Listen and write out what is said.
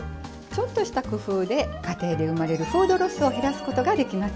ちょっとした工夫で家庭で生まれるフードロスを減らすことができますよ。